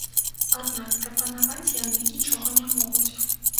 Аднак прапанаваць яны нічога не могуць.